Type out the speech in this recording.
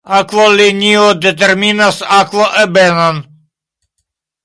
Akvolinio determinas akvoebenon.